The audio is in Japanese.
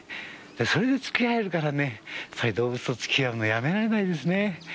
それで付き合えるから動物と付き合うのやめられないですね。